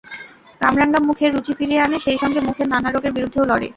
কামরাঙা মুখে রুচি ফিরিয়ে আনে, সেই সঙ্গে মুখের নানা রোগের বিরুদ্ধেও লড়ে।